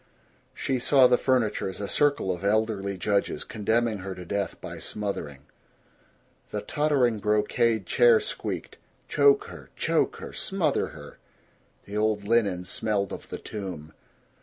She saw the furniture as a circle of elderly judges, condemning her to death by smothering. The tottering brocade chair squeaked, "Choke her choke her smother her." The old linen smelled of the tomb.